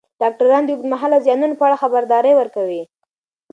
ډاکټران د اوږدمهاله زیانونو په اړه خبرداری ورکوي.